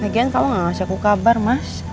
lagian kamu ngasih aku kabar mas